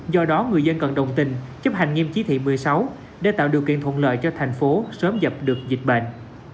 do đó người dân cần đồng tình chấp hành nghiêm chí thị một mươi sáu để tạo điều kiện thuận lợi cho thành phố sớm dập được dịch bệnh